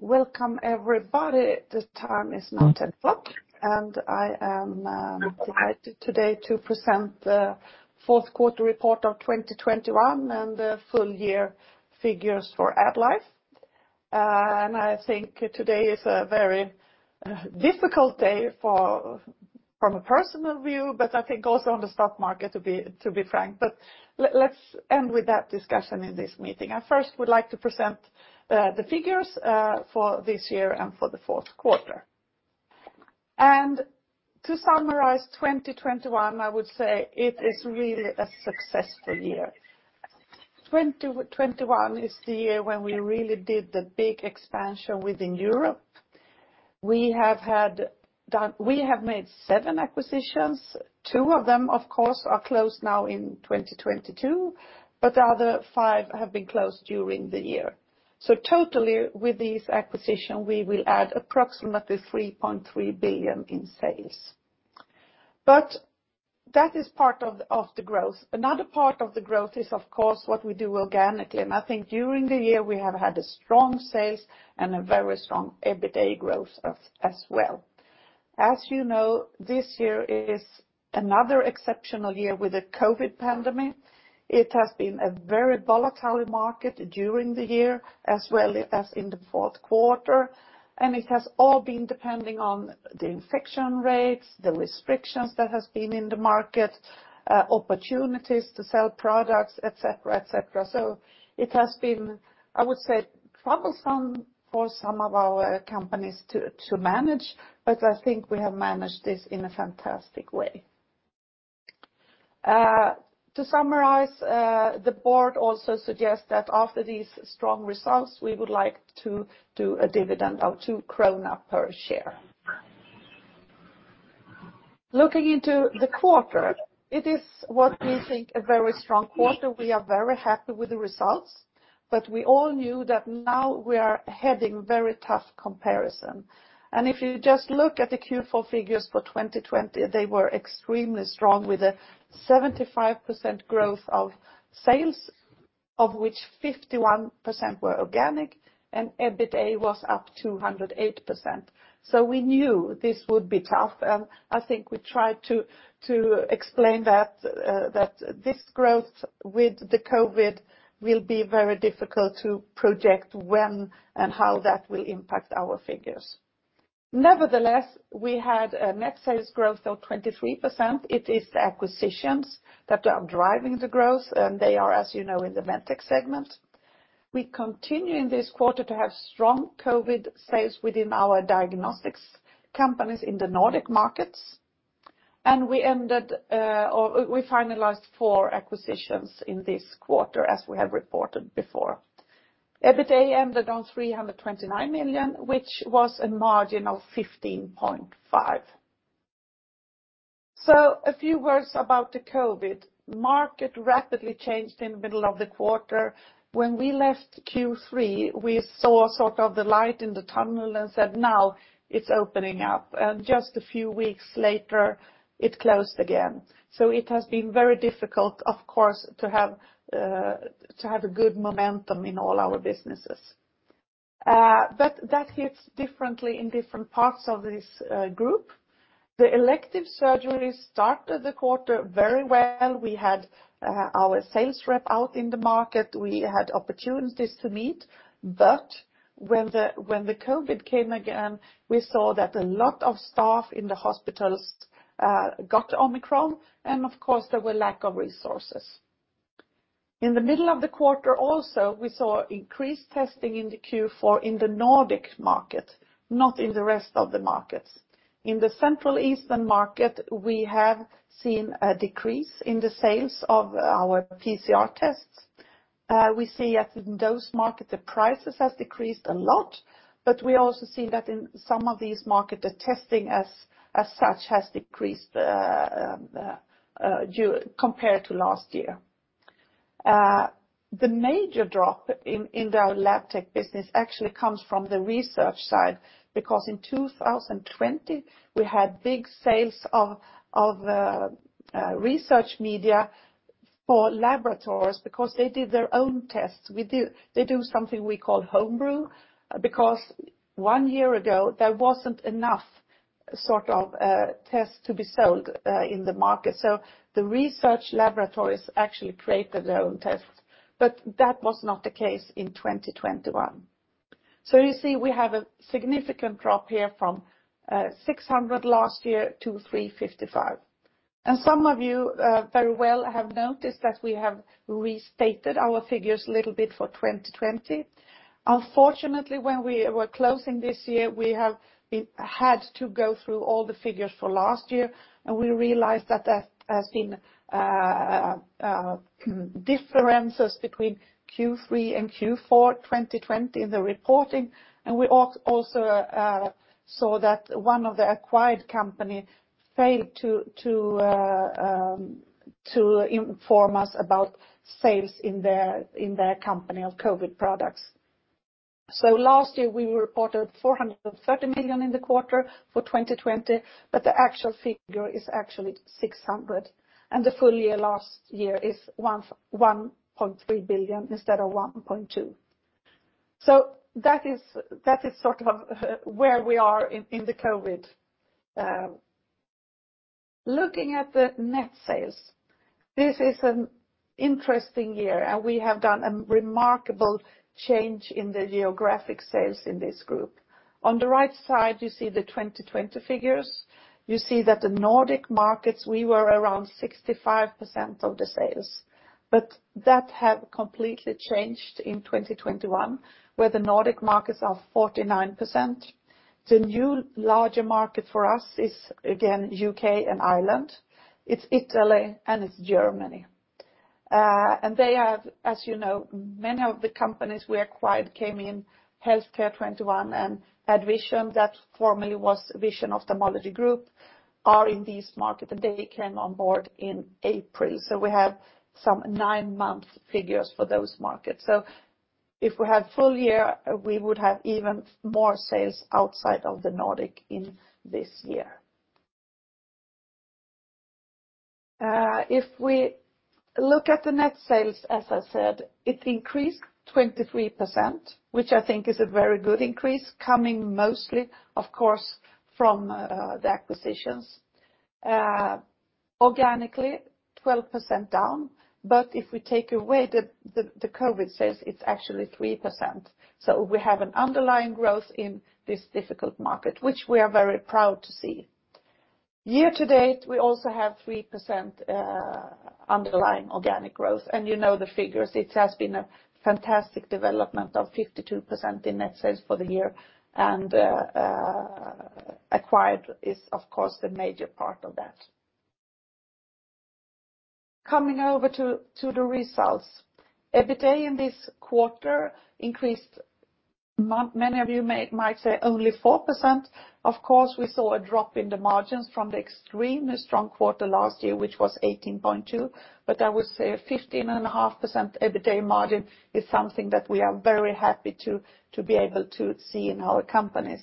Welcome everybody. The time is now 10:00 A.M., and I am delighted today to present the fourth quarter report of 2021, and the full year figures for AddLife. I think today is a very difficult day from a personal view, but I think also on the stock market, to be frank. Let's end with that discussion in this meeting. I first would like to present the figures for this year and for the fourth quarter. To summarize 2021, I would say it is really a successful year. 2021 is the year when we really did the big expansion within Europe. We have made seven acquisitions. two of them, of course, are closed now in 2022, but the other five have been closed during the year. Totally, with these acquisition, we will add approximately 3.3 billion in sales. That is part of the growth. Another part of the growth is, of course, what we do organically. I think during the year, we have had a strong sales and a very strong EBITA growth as well. As you know, this year is another exceptional year with the COVID pandemic. It has been a very volatile market during the year, as well as in the fourth quarter. It has all been depending on the infection rates, the restrictions that has been in the market, opportunities to sell products, et cetera. It has been, I would say, troublesome for some of our companies to manage, but I think we have managed this in a fantastic way. To summarize, the board also suggests that after these strong results, we would like to do a dividend of 2 krona per share. Looking into the quarter, it is what we think a very strong quarter. We are very happy with the results, but we all knew that now we are heading very tough comparison. If you just look at the Q4 figures for 2020, they were extremely strong with a 75% growth of sales, of which 51% were organic, and EBITA was up 208%. We knew this would be tough, and I think we tried to explain that this growth with the COVID will be very difficult to project when and how that will impact our figures. Nevertheless, we had a net sales growth of 23%. It is the acquisitions that are driving the growth, and they are, as you know, in the Medtech segment. We continue in this quarter to have strong COVID sales within our diagnostics companies in the Nordic markets. We ended or we finalized four acquisitions in this quarter, as we have reported before. EBITA ended on 329 million, which was a margin of 15.5%. A few words about the COVID. Market rapidly changed in the middle of the quarter. When we left Q3, we saw sort of the light in the tunnel and said, "Now it's opening up." Just a few weeks later, it closed again. It has been very difficult, of course, to have a good momentum in all our businesses. But that hits differently in different parts of this group. The elective surgeries started the quarter very well. We had our sales rep out in the market. We had opportunities to meet. When the COVID came again, we saw that a lot of staff in the hospitals got Omicron, and of course, there were lack of resources. In the middle of the quarter also, we saw increased testing in the Q4 in the Nordic market, not in the rest of the markets. In the Central Eastern market, we have seen a decrease in the sales of our PCR tests. We see that in those market, the prices has decreased a lot, but we also see that in some of these market, the testing as such has decreased compared to last year. The major drop in the Labtech business actually comes from the research side, because in 2020, we had big sales of research media for laboratories because they did their own tests. They do something we call home brew, because one year ago, there wasn't enough tests to be sold in the market. The research laboratories actually created their own tests, but that was not the case in 2021. You see, we have a significant drop here from 600 last year to 355. Some of you very well have noticed that we have restated our figures a little bit for 2020. Unfortunately, when we were closing this year, we had to go through all the figures for last year, and we realized that there have been differences between Q3 and Q4 2020 in the reporting. We also saw that one of the acquired companies failed to inform us about sales in their company of COVID products. Last year, we reported 430 million in the quarter for 2020, but the actual figure is actually 600, and the full year last year is 1.3 billion instead of 1.2. That is sort of where we are in the COVID. Looking at the net sales, this is an interesting year, and we have done a remarkable change in the geographic sales in this group. On the right side, you see the 2020 figures. You see that the Nordic markets, we were around 65% of the sales. That have completely changed in 2021, where the Nordic markets are 49%. The new larger market for us is again U.K. and Ireland, it's Italy, and it's Germany. They have. As you know, many of the companies we acquired came in Healthcare 21 and AddVision, that formerly was Vision Ophthalmology Group, are in these markets, and they came on board in April. We have some nine-month figures for those markets. If we had full year, we would have even more sales outside of the Nordic in this year. If we look at the net sales, as I said, it increased 23%, which I think is a very good increase, coming mostly, of course, from the acquisitions. Organically, 12% down. If we take away the COVID sales, it's actually 3%. We have an underlying growth in this difficult market, which we are very proud to see. Year-to-date, we also have 3% underlying organic growth. You know the figures. It has been a fantastic development of 52% in net sales for the year. Acquired is, of course, the major part of that. Coming over to the results. EBITDA in this quarter increased, many of you might say only 4%. Of course, we saw a drop in the margins from the extremely strong quarter last year, which was 18.2%. I would say a 15.5% EBITDA margin is something that we are very happy to be able to see in our companies.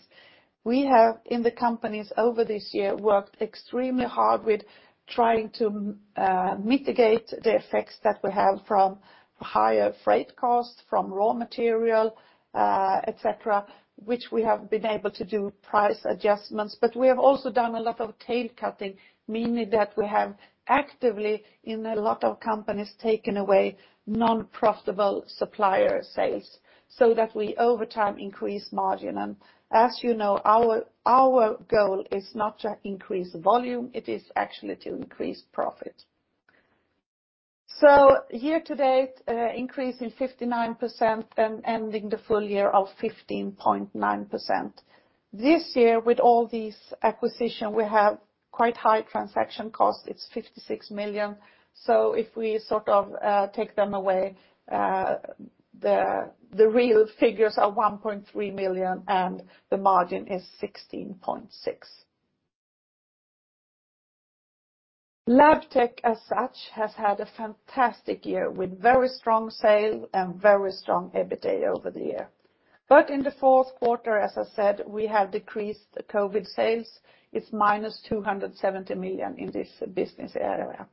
We have, in the companies over this year, worked extremely hard with trying to mitigate the effects that we have from higher freight costs, from raw material, et cetera, which we have been able to do price adjustments. We have also done a lot of tail cutting, meaning that we have actively in a lot of companies taken away non-profitable supplier sales so that we over time increase margin. As you know, our goal is not to increase volume, it is actually to increase profit. Year-to-date increase in 59% and ending the full year of 15.9%. This year, with all these acquisitions, we have quite high transaction costs. It's 56 million. If we sort of take them away, the real figures are 1.3 million, and the margin is 16.6%. Labtech as such has had a fantastic year with very strong sales and very strong EBITDA over the year. In the fourth quarter, as I said, we have decreased COVID sales. It's -270 million in this business area.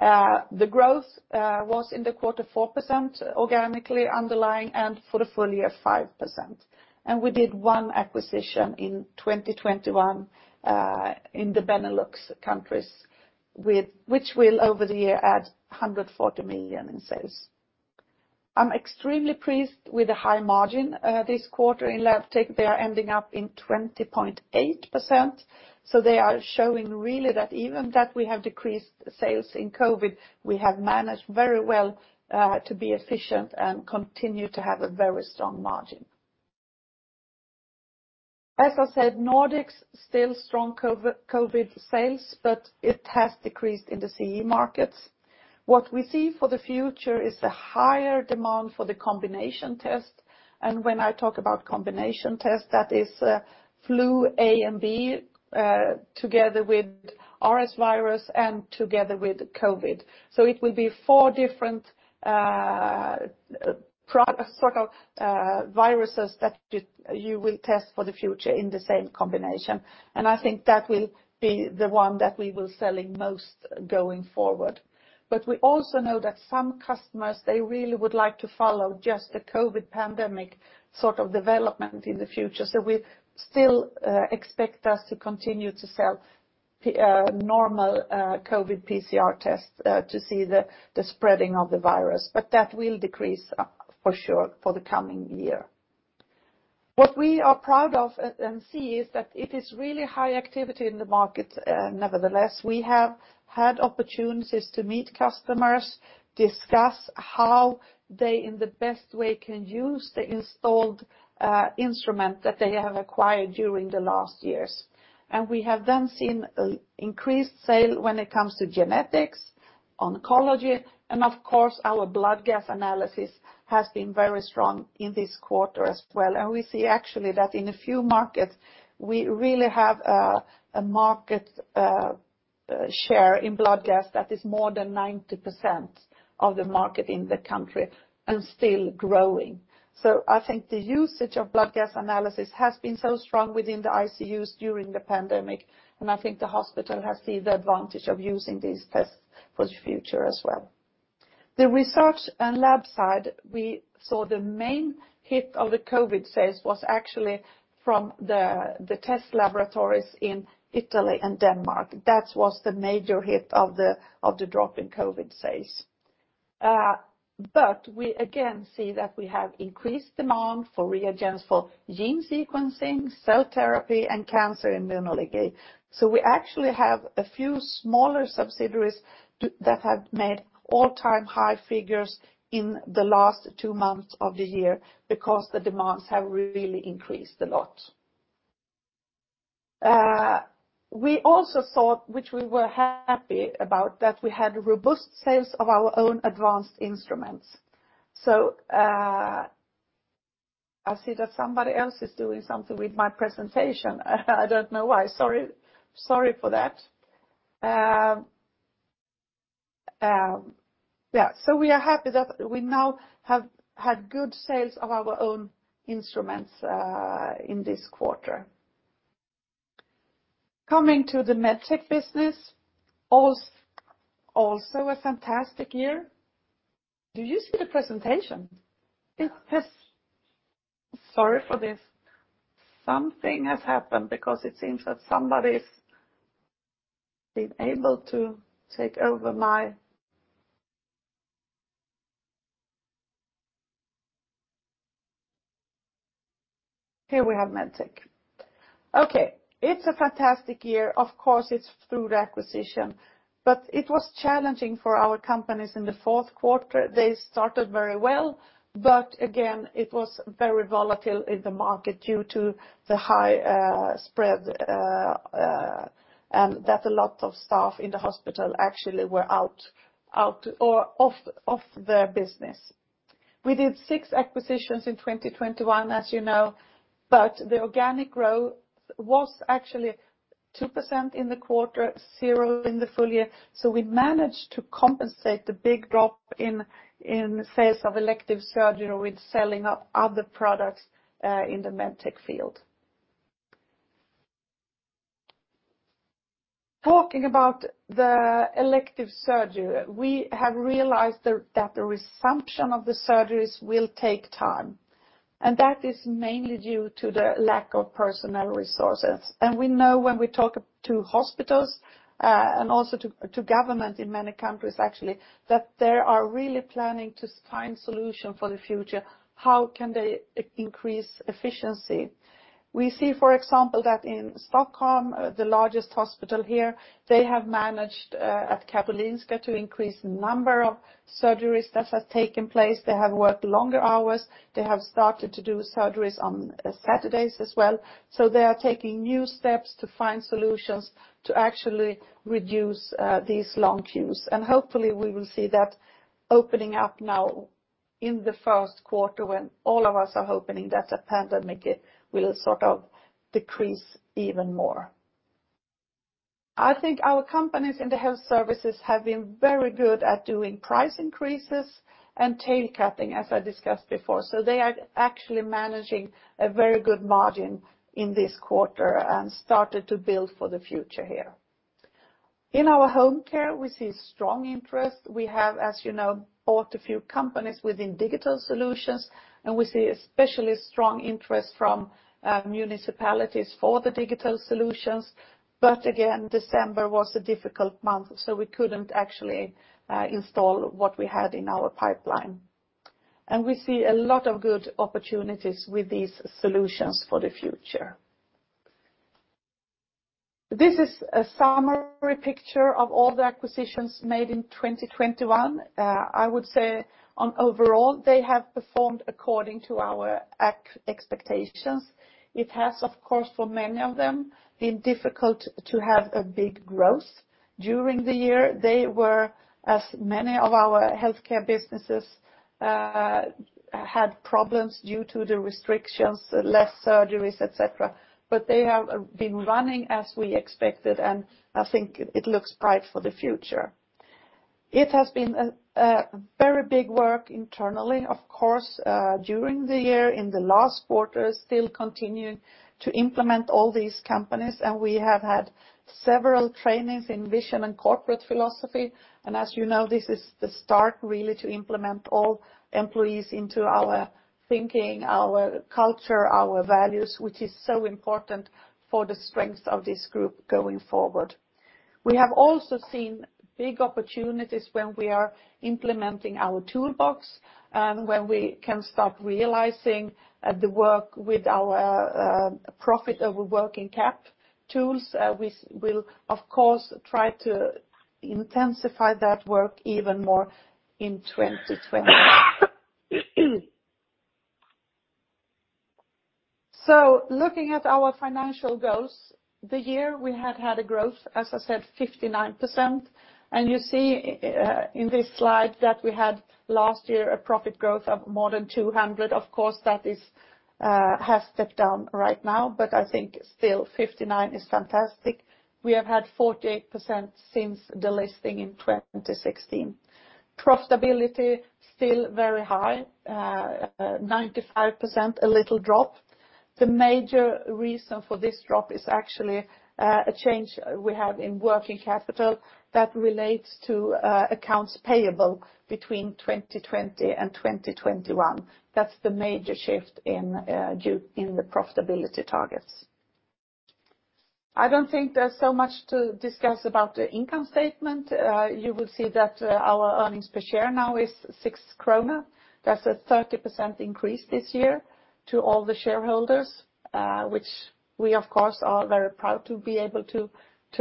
The growth was in the quarter 4% organically underlying, and for the full year, 5%. We did one acquisition in 2021 in the Benelux countries with which will over the year add 140 million in sales. I'm extremely pleased with the high margin this quarter in Labtech. They are ending up in 20.8%, so they are showing really that even that we have decreased sales in COVID, we have managed very well to be efficient and continue to have a very strong margin. As I said, Nordics still strong COVID sales, but it has decreased in the CE markets. What we see for the future is a higher demand for the combination test. When I talk about combination test, that is flu A and B together with RS virus and together with COVID. It will be four different sort of viruses that you will test for the future in the same combination, and I think that will be the one that we will selling most going forward. We also know that some customers they really would like to follow just the COVID pandemic sort of development in the future. We still expect us to continue to sell normal COVID PCR tests to see the spreading of the virus. That will decrease for sure for the coming year. What we are proud of and see is that it is really high activity in the market. Nevertheless, we have had opportunities to meet customers, discuss how they in the best way can use the installed instrument that they have acquired during the last years. We have then seen increased sales when it comes to genetics, oncology, and of course our blood gas analysis has been very strong in this quarter as well. We see actually that in a few markets, we really have a market double share in blood gas that is more than 90% of the market in the country and still growing. I think the usage of blood gas analysis has been so strong within the ICUs during the pandemic, and I think the hospital has seen the advantage of using these tests for the future as well. The research and lab side, we saw the main hit of the COVID sales was actually from the test laboratories in Italy and Denmark. That was the major hit of the drop in COVID sales. We again see that we have increased demand for reagents for gene sequencing, cell therapy, and cancer immunology. We actually have a few smaller subsidiaries that have made all-time high figures in the last two months of the year because the demands have really increased a lot. We also saw, which we were happy about, that we had robust sales of our own advanced instruments. I see that somebody else is doing something with my presentation. I don't know why. Sorry. Sorry for that. Yeah. We are happy that we now have had good sales of our own instruments in this quarter. Coming to the Medtech business, also a fantastic year. Do you see the presentation? It has. Sorry for this. Something has happened because it seems that somebody's been able to take over my. Here we have Medtech. Okay. It's a fantastic year. Of course, it's through the acquisition. It was challenging for our companies in the fourth quarter. They started very well, but again, it was very volatile in the market due to the high spread, and that a lot of staff in the hospital actually were out or off their business. We did six acquisitions in 2021, as you know, but the organic growth was actually 2% in the quarter, 0% in the full year. We managed to compensate the big drop in sales of elective surgery with selling other products in the Medtech field. Talking about the elective surgery, we have realized that the resumption of the surgeries will take time, and that is mainly due to the lack of personnel resources. We know when we talk to hospitals and also to government in many countries actually, that they are really planning to find solution for the future, how can they increase efficiency. We see, for example, that in Stockholm, the largest hospital here, they have managed at Karolinska to increase number of surgeries that have taken place. They have worked longer hours. They have started to do surgeries on Saturdays as well. They are taking new steps to find solutions to actually reduce these long queues hopefully, we will see that opening up now in the first quarter when all of us are hoping that the pandemic will sort of decrease even more. I think our companies in the health services have been very good at doing price increases and tail cutting, as I discussed before. They are actually managing a very good margin in this quarter and started to build for the future here. In our home care, we see strong interest. We have, as you know, bought a few companies within digital solutions, and we see especially strong interest from municipalities for the digital solutions. But again, December was a difficult month, so we couldn't actually install what we had in our pipeline. We see a lot of good opportunities with these solutions for the future. This is a summary picture of all the acquisitions made in 2021. I would say overall, they have performed according to our expectations. It has, of course, for many of them, been difficult to have a big growth during the year. They were, as many of our healthcare businesses, had problems due to the restrictions, less surgeries, et cetera. They have been running as we expected, and I think it looks bright for the future. It has been a very big work internally, of course, during the year, in the last quarter, still continuing to implement all these companies. We have had several trainings in vision and corporate philosophy. As you know, this is the start really to implement all employees into our thinking, our culture, our values, which is so important for the strength of this group going forward. We have also seen big opportunities when we are implementing our toolbox, when we can start realizing the work with our profit over working capital tools. We'll of course try to intensify that work even more in 2020. Looking at our financial goals, the year we have had a growth, as I said, 59%. You see in this slide that we had last year a profit growth of more than 200%. Of course, that has stepped down right now, but I think still 59% is fantastic. We have had 48% since the listing in 2016. Profitability still very high, 95%, a little drop. The major reason for this drop is actually a change we have in working capital that relates to accounts payable between 2020 and 2021. That's the major shift in due in the profitability targets. I don't think there's so much to discuss about the income statement. You will see that our earnings per share now is 6 krona. That's a 30% increase this year to all the shareholders, which we of course are very proud to be able to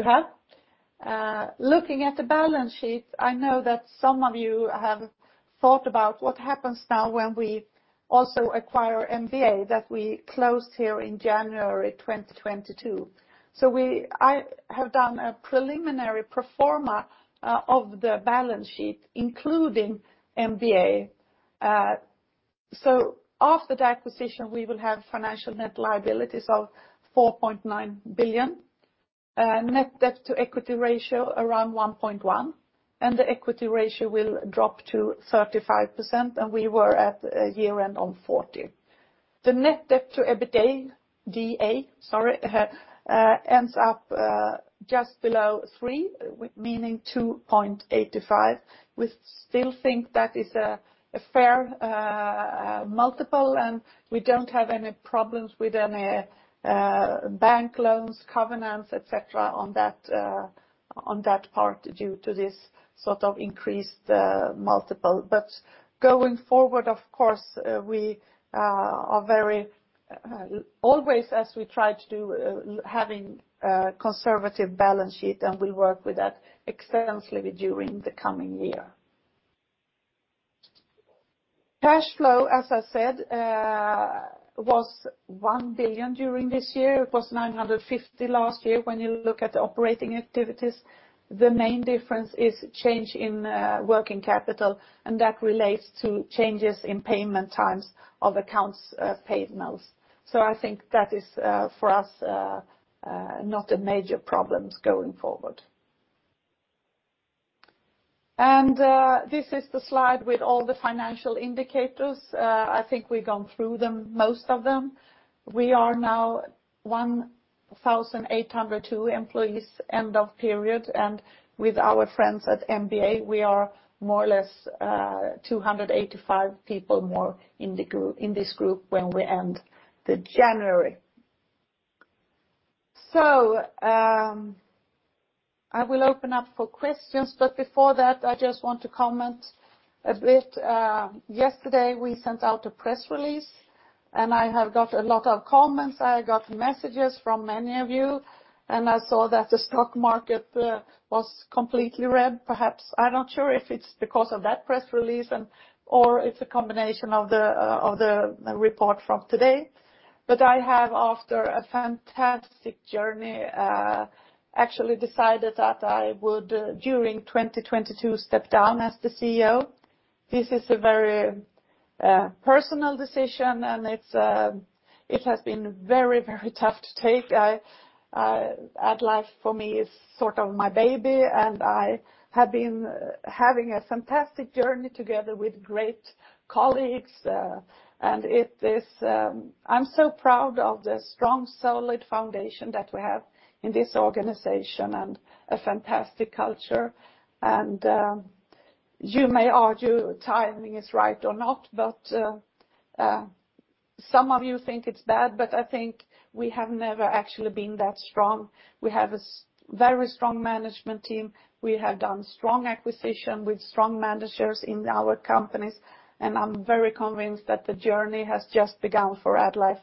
have. Looking at the balance sheet, I know that some of you have thought about what happens now when we also acquire MBA, that we closed here in January 2022. I have done a preliminary pro forma of the balance sheet, including MBA. After the acquisition, we will have financial net liabilities of 4.9 billion. Net debt-to-equity ratio around 1.1, and the equity ratio will drop to 35%, and we were at a year-end on 40%. The net debt to EBITDA ends up just below 3, meaning 2.85. We still think that is a fair multiple, and we don't have any problems with any bank loans, covenants, et cetera, on that part due to this sort of increased multiple. Going forward, of course, we are very always as we try to do, having a conservative balance sheet, and we work with that extensively during the coming year. Cash flow, as I said, was 1 billion during this year. It was 950 million last year when you look at operating activities. The main difference is change in working capital, and that relates to changes in payment times of accounts payables. I think that is for us not a major problem going forward. This is the slide with all the financial indicators. I think we've gone through them, most of them. We are now 1,802 employees end of period. With our friends at MBA, we are more or less 285 people more in the group, in this group when we end of January. I will open up for questions, but before that, I just want to comment a bit. Yesterday, we sent out a press release, and I have got a lot of comments. I got messages from many of you, and I saw that the stock market was completely red, perhaps. I'm not sure if it's because of that press release and or it's a combination of the report from today. I have, after a fantastic journey, actually decided that I would, during 2022, step down as the CEO. This is a very personal decision, and it's. It has been very, very tough to take. AddLife for me is sort of my baby, and I have been having a fantastic journey together with great colleagues. It is. I'm so proud of the strong, solid foundation that we have in this organization and a fantastic culture. You may argue timing is right or not, but some of you think it's bad, but I think we have never actually been that strong. We have a very strong management team. We have done strong acquisition with strong managers in our companies, and I'm very convinced that the journey has just begun for AddLife.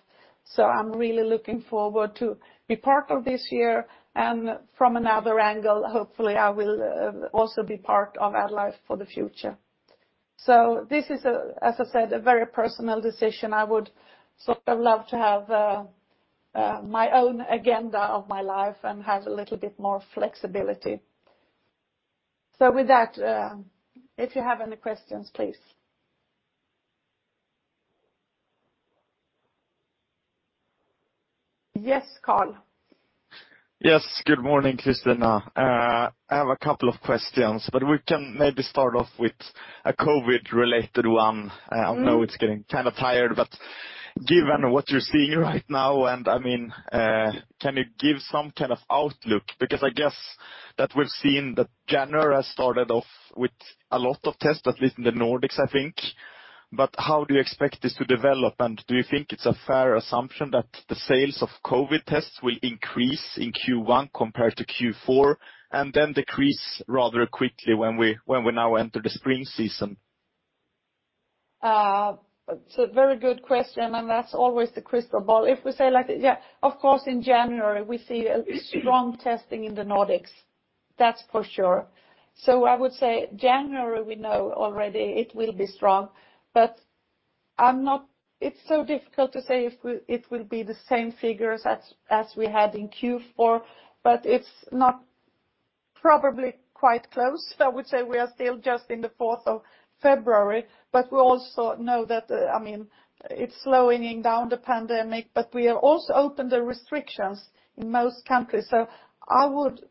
I'm really looking forward to be part of this year. From another angle, hopefully, I will also be part of AddLife for the future. This is, as I said, a very personal decision. I would sort of love to have my own agenda of my life and have a little bit more flexibility. With that, if you have any questions, please. Yes, Carl. Yes, good morning, Christina. I have a couple of questions, but we can maybe start off with a COVID-related one. I know it's getting kind of tired, but given what you're seeing right now, and I mean, can you give some kind of outlook? Because I guess that we've seen that January started off with a lot of tests, at least in the Nordics, I think. But how do you expect this to develop? And do you think it's a fair assumption that the sales of COVID tests will increase in Q1 compared to Q4 and then decrease rather quickly when we now enter the spring season? It's a very good question, and that's always the crystal ball. If we say, yeah, of course, in January, we see a strong testing in the Nordics. That's for sure. I would say January, we know already it will be strong. But it's so difficult to say if it will be the same figures as we had in Q4, but it's probably not quite close. I would say we are still just in the 4th of February, but we also know that, I know that, I mean, it's slowing down the pandemic, but we have also opened the restrictions in most countries. I would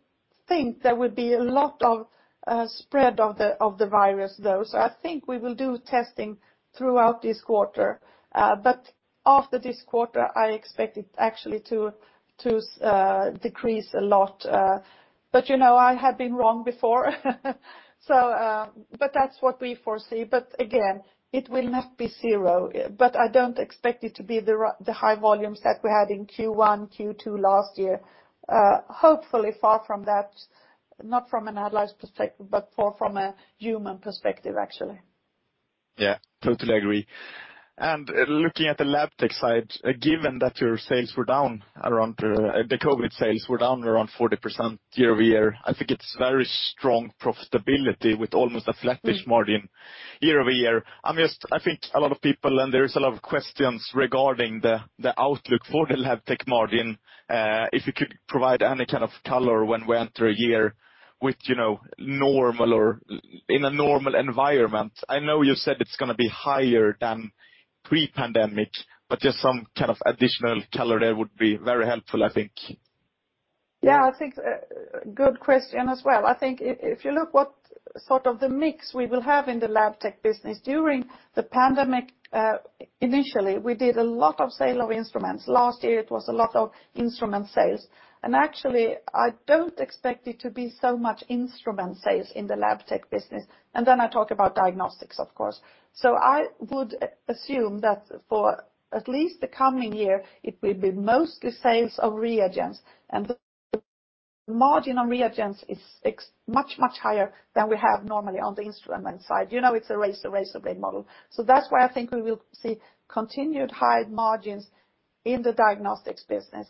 think there would be a lot of spread of the virus, though. I think we will do testing throughout this quarter. After this quarter, I expect it actually to decrease a lot. You know, I have been wrong before. That's what we foresee. Again, it will not be zero. I don't expect it to be the high volumes that we had in Q1, Q2 last year. Hopefully far from that, not from an AddLife's perspective, but from a human perspective, actually. Yeah, totally agree. Looking at the Labtech side, given that your sales were down around the COVID sales were down around 40% year-over-year, I think it's very strong profitability with almost a flattish margin year-over-year. I think a lot of people, and there is a lot of questions regarding the outlook for the Labtech margin, if you could provide any kind of color when we enter a year with, you know, normal or in a normal environment. I know you said it's gonna be higher than pre-pandemic, but just some kind of additional color there would be very helpful, I think. Yeah, I think, good question as well. I think if you look what sort of the mix we will have in the Labtech business during the pandemic, initially, we did a lot of sale of instruments. Last year, it was a lot of instrument sales. Actually, I don't expect it to be so much instrument sales in the Labtech business. Then I talk about diagnostics, of course. I would assume that for at least the coming year, it will be mostly sales of reagents. The margin on reagents is much, much higher than we have normally on the instrument side. You know, it's a razor blade model. That's why I think we will see continued high margins in the diagnostics business.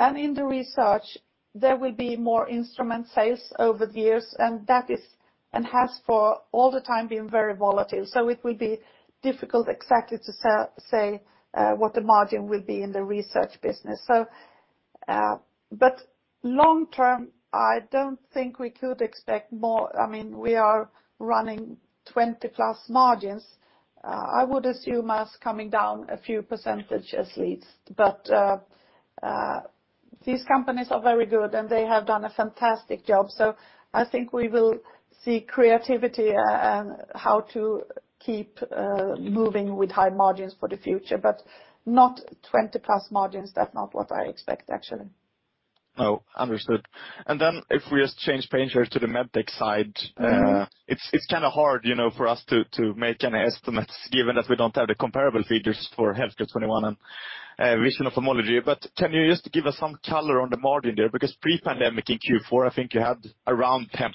In the research, there will be more instrument sales over the years, and that has for all the time been very volatile. It will be difficult to exactly say what the margin will be in the research business. Long-term, I don't think we could expect more. I mean, we are running +20% margins. I would assume it's coming down a few percent at least. These companies are very good, and they have done a fantastic job. I think we will see creativity on how to keep moving with high margins for the future, but not +20% margins. That's not what I expect, actually. Oh, understood. If we just change page here to the Medtech side. Mm-hmm. It's kinda hard, you know, for us to make any estimates given that we don't have the comparable figures for Healthcare 21 and Vision Ophthalmology. Can you just give us some color on the margin there? Because pre-pandemic in Q4, I think you had around 10%,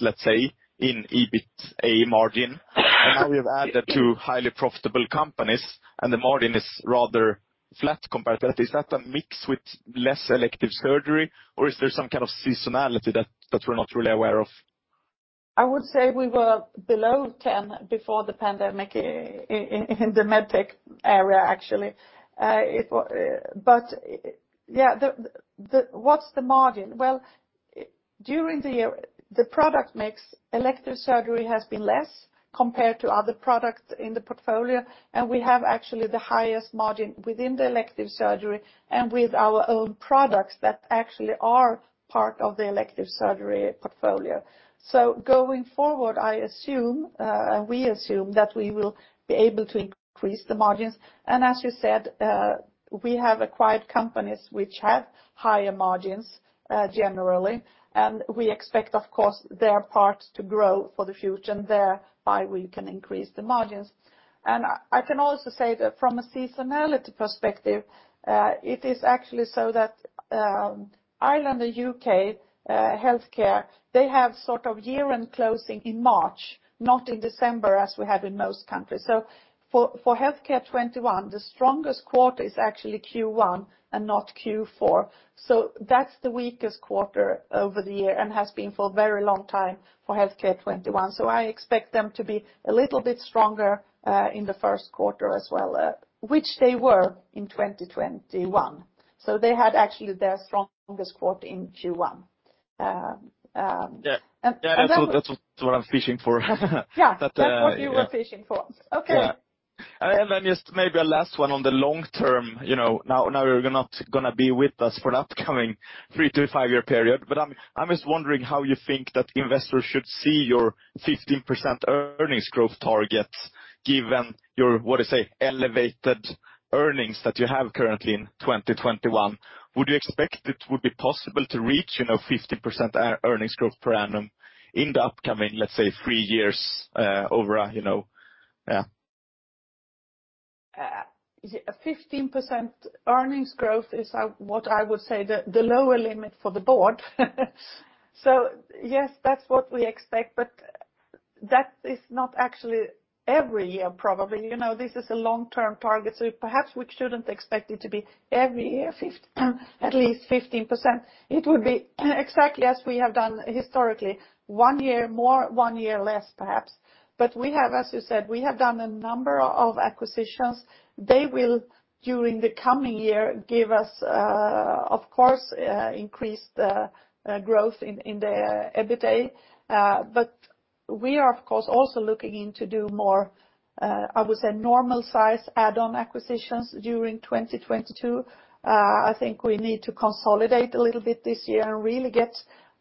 let's say, in EBITA margin. Now you've added two highly profitable companies, and the margin is rather flat compared to that. Is that a mix with less elective surgery, or is there some kind of seasonality that we're not really aware of? I would say we were below 10% before the pandemic in the Medtech area, actually. What's the margin? Well, during the year, the product mix, elective surgery has been less compared to other products in the portfolio, and we have actually the highest margin within the elective surgery and with our own products that actually are part of the elective surgery portfolio. Going forward, I assume, and we assume that we will be able to increase the margins. As you said, we have acquired companies which have higher margins, generally. We expect, of course, their parts to grow for the future, and thereby we can increase the margins. I can also say that from a seasonality perspective, it is actually so that Ireland and U.K. healthcare, they have sort of year-end closing in March, not in December as we have in most countries. For Healthcare 21, the strongest quarter is actually Q1 and not Q4. That's the weakest quarter over the year and has been for a very long time for Healthcare 21. I expect them to be a little bit stronger in the first quarter as well, which they were in 2021. They had actually their strongest quarter in Q1. Yeah. And then- That's what I was fishing for. Yeah. Yeah. That's what you were fishing for. Okay. Just maybe a last one on the long term. You know, now you're going to be with us for the upcoming three to five-year period. I'm just wondering how you think that investors should see your 15% earnings growth target, given your, what to say, elevated earnings that you have currently in 2021. Would you expect it would be possible to reach, you know, 15% earnings growth per annum in the upcoming, let's say, three years, over, you know. 15% earnings growth is what I would say the lower limit for the board. Yes, that's what we expect, but that is not actually every year, probably. You know, this is a long-term target, so perhaps we shouldn't expect it to be every year at least 15%. It would be exactly as we have done historically, one year more, one year less, perhaps. We have, as you said, we have done a number of acquisitions. They will, during the coming year, give us, of course, increased growth in the EBITA. We are of course also looking into doing more, I would say normal size add-on acquisitions during 2022. I think we need to consolidate a little bit this year and really get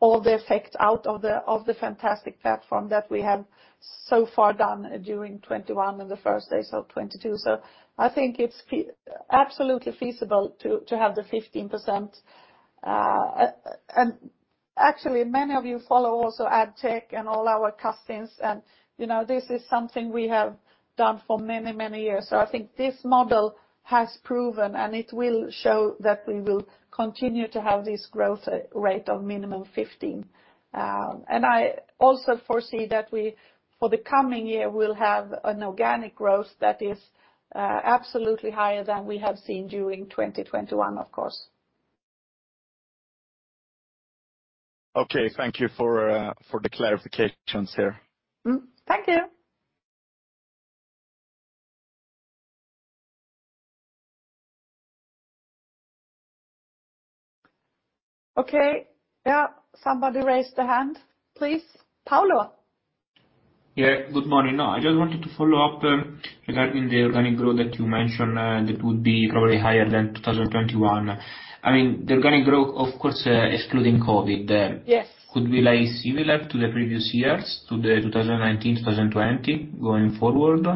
all the effect out of the of the fantastic platform that we have so far done during 2021 and the first days of 2022. I think it's absolutely feasible to have the 15%. Actually, many of you follow also Addtech and all our customers and, you know, this is something we have done for many, many years. I think this model has proven, and it will show that we will continue to have this growth rate of minimum 15. I also foresee that we, for the coming year, will have an organic growth that is absolutely higher than we have seen during 2021, of course. Okay, thank you for the clarifications here. Thank you. Okay. Yeah, somebody raised their hand. Please, Paolo. Yeah, good morning. No, I just wanted to follow up regarding the organic growth that you mentioned that would be probably higher than 2021. I mean, the organic growth, of course, excluding COVID there. Yes. Could be like similar to the previous years, to the 2019, 2020 going forward?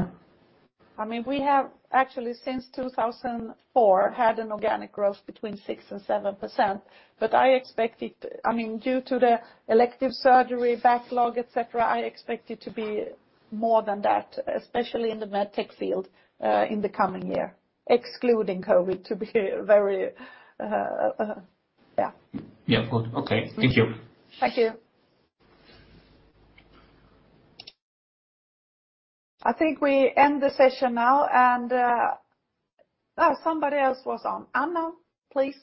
I mean, we have actually since 2004 had an organic growth between 6% and 7%, but I expect it. I mean, due to the elective surgery backlog, et cetera, I expect it to be more than that, especially in the med tech field in the coming year, excluding COVID to be very yeah. Yeah, good. Okay, thank you. Thank you. I think we end the session now. Oh, somebody else was on. Anna, please.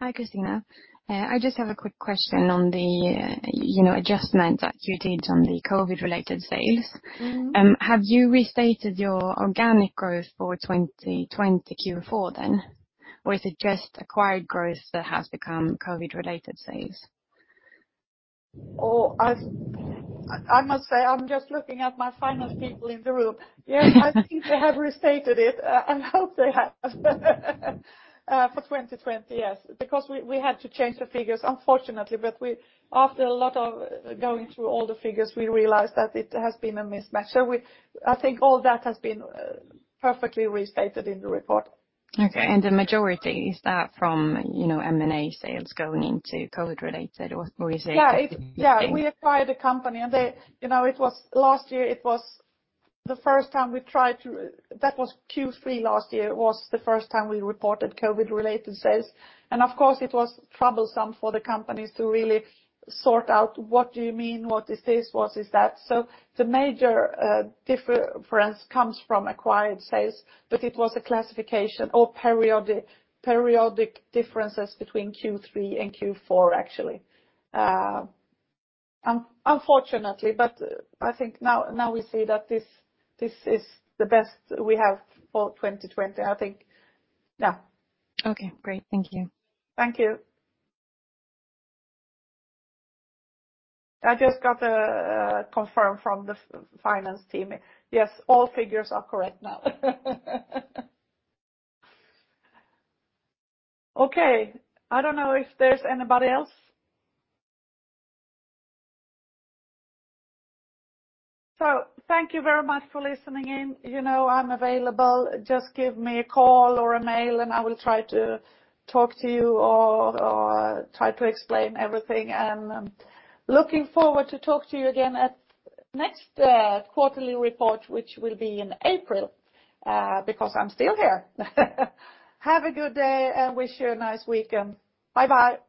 Hi, Christina. I just have a quick question on the, you know, adjustment that you did on the COVID-related sales. Mm-hmm. Have you restated your organic growth for 2020 Q4 then? Or is it just acquired growth that has become COVID-related sales? Oh, I must say, I'm just looking at my finance people in the room. Yes, I think they have restated it. I hope they have for 2020, yes. Because we had to change the figures, unfortunately. After a lot of going through all the figures, we realized that it has been a mismatch. I think all that has been perfectly restated in the report. Okay. The majority, is that from, you know, M&A sales going into COVID-related, or is it? Yeah. The same? Yeah, we acquired a company. You know, that was Q3 last year, the first time we reported COVID-related sales. Of course, it was troublesome for the companies to really sort out, "What do you mean? What is this? What is that?" The major difference comes from acquired sales, but it was a classification or periodic differences between Q3 and Q4, actually. Unfortunately, I think now we see that this is the best we have for 2020, I think. Yeah. Okay, great. Thank you. Thank you. I just got a confirmation from the finance team. Yes, all figures are correct now. Okay, I don't know if there's anybody else. Thank you very much for listening in. You know I'm available. Just give me a call or an email and I will try to talk to you or try to explain everything. I'm looking forward to talk to you again at next quarterly report, which will be in April, because I'm still here. Have a good day, and wish you a nice weekend. Bye-bye.